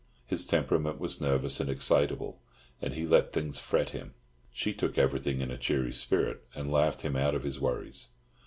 His temperament was nervous and excitable, and he let things fret him. She took everything in a cheery spirit, and laughed him out of his worries.